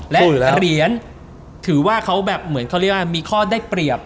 และเหรียญถือว่าเขาแบบเหมือนเขาเรียกว่ามีข้อได้เปรียบ